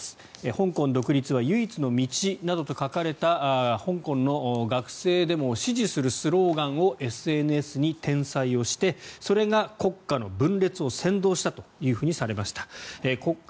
「香港独立は唯一の道」などと書かれた香港の学生デモを支持するスローガンをＳＮＳに転載をしてそれが国家の分裂を扇動したとされました。